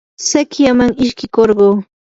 sikyaman ishkirquu.